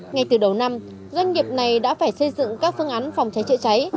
ngay từ đầu năm doanh nghiệp này đã phải xây dựng các phương án phòng cháy chữa cháy